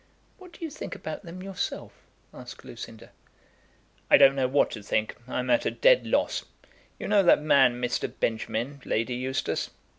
"What do you think about them yourself?" asked Lucinda. "I don't know what to think. I'm at a dead loss. You know that man Mr. Benjamin, Lady Eustace?"